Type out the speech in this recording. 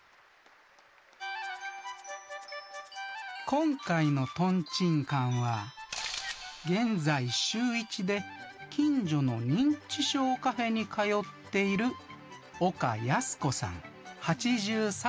今回のトンチンカンは現在週１で近所の認知症カフェに通っている岡ヤスコさん８３歳。